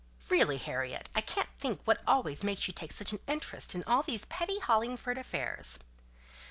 "Really, Harriet, I can't think what always makes you take such an interest in all these petty Hollingford affairs."